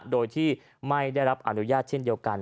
โดยที่ไม่ได้รับอนุญาตเช่นเดียวกัน